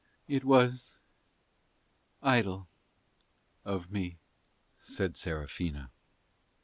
"It was idle of me," said Serafina.